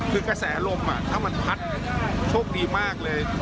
คือกระแสลมถ้ามันพัดโชคดีมากเลย